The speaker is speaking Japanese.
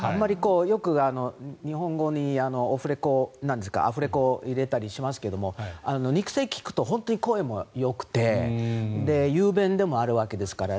よく、日本語にアフレコを入れたりしますが肉声を聞くと本当に声もよくて雄弁でもあるわけですから。